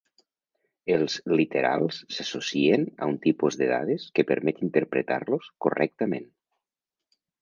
Els literals s'associen a un tipus de dades que permet interpretar-los correctament.